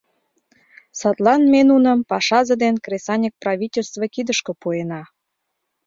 Садлан ме нуным пашазе ден кресаньык правительство кидышке пуэна...